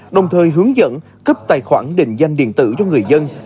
đồng thời hướng dẫn cấp tài khoản định danh điện tử cho người dân